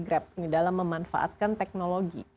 grab ini dalam memanfaatkan teknologi